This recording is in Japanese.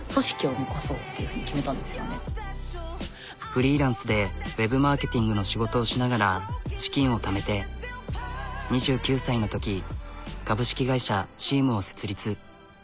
フリーランスでウェブマ―ケティングの仕事をしながら資金をためて２９歳のとき株式会社ＳＥＡＭを設立。